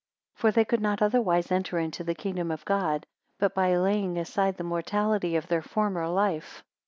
For they could not otherwise enter into the kingdom of God, but by laying aside the mortality of their former life.